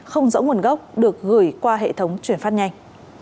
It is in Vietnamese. không rõ nguồn gốc được gửi qua hệ thống chuyển phát nhanh